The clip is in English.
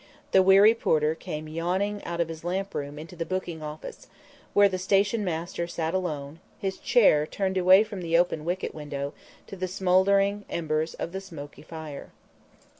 The weary porter came yawning out of his lamp room into the booking office, where the station master sat alone, his chair turned away from the open wicket window to the smouldering embers of the smoky fire.